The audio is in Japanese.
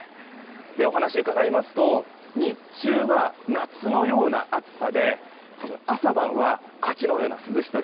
お話を伺いますと日中は夏のような暑さで朝晩は、秋のような涼しさ。